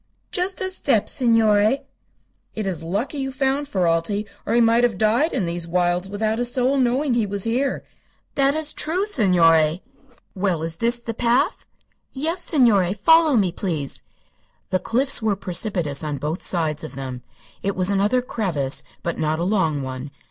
"Just a step, signore." "It is lucky you found Ferralti, or he might have died in these wilds without a soul knowing he was here." "That is true, signore." "Well, is this the path?" "Yes, signore. Follow me, please." The cliffs were precipitous on both sides of them. It was another crevasse, but not a long one.